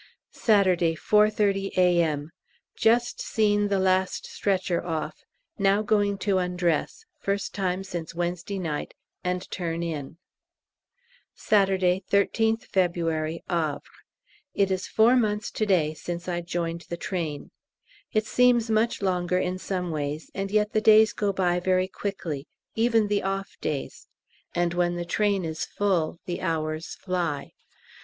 Saturday, 4.30 A.M. Just seen the last stretcher off; now going to undress (first time since Wednesday night) and turn in. Saturday, 13th February, Havre. It is four months to day since I joined the train. It seems much longer in some ways, and yet the days go by very quickly even the off days; and when the train is full the hours fly.